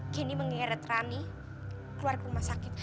kendi mengeret rani keluar ke rumah sakit